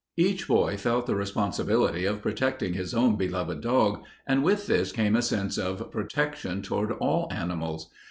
Each boy felt the responsibility of protecting his own beloved dog, and with this came a sense of protection toward all animals.